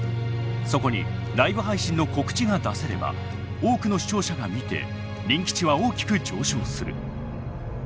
そこにライブ配信の告知が出せれば多くの視聴者が見て人気値は大きく上昇する。